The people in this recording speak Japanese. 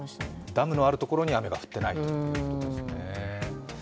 ダムのあるところに雨が降っていないということですね。